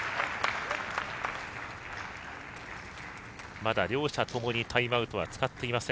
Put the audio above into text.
まだ両者ともにタイムアウトは使っていません